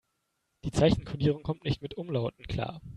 Die Zeichenkodierung kommt nicht mit Umlauten klar.